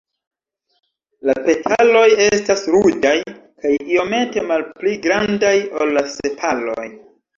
La petaloj estas ruĝaj kaj iomete malpli grandaj ol la sepaloj.